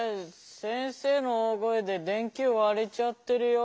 先生の大声で電球われちゃってるよ。